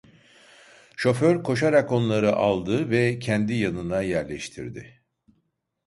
Şoför koşarak onlan aldı ve kendi yanına yerleştirdi.